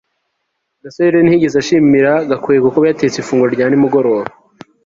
gasore ntiyigeze ashimira gakwego kuba yatetse ifunguro rya nimugoroba